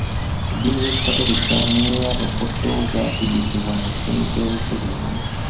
Eddiini y'ekikatolika n'eyabapoto zaategekebwa mu nsengeka y'obufuzi ennungi.